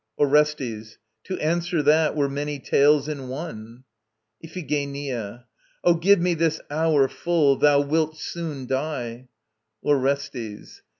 ORESTES. To answer that were many tales in one. IPHIGENIA. Oh, give me this hour full! Thou wilt soon die. ORESTES.